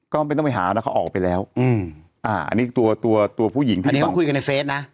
ก็ไม่ต้องไปหานะเขาออกไปแล้วอืมอ่าอันนี้ตัวตัวตัวผู้หญิงท่านนี้เขาคุยกันในเฟสนะ